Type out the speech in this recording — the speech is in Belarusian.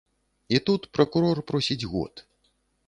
І тут пракурор просіць год.